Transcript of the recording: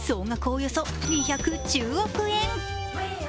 およそ２１０億円。